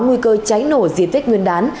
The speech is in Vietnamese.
nguy cơ cháy nổ diệt tết nguyên đán